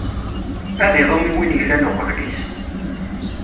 Ad iḍum i win yellan uqbel-is.